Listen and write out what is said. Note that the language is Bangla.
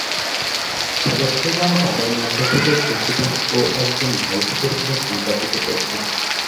সদস্যগণ তাদের মধ্য থেকে প্রেসিডেন্ট ও একজন ভাইস প্রেসিডেন্ট নির্বাচিত করতেন।